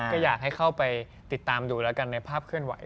ก็อยากให้เข้าไปติดตามดูแล้วกันในภาพเคลื่อนไห